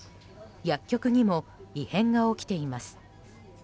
薬局にも異変が起きています。